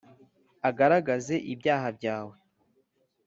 agaragaze ibyaha byawe!